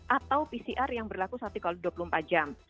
atau pcr yang berlaku satu x dua puluh empat jam